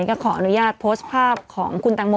ก็ขออนุญาตโพสต์ภาพของคุณตังโม